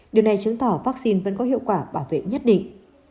điều này chứng tỏ vaccine vẫn có hiệu quả bảo vệ nhất định